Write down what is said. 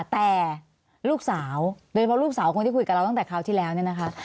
แต่ลูกสาวโดยเฉพาะลูกสาวคนที่คุยกับเราตั้งแต่คราวที่แล้วเนี่ยนะคะ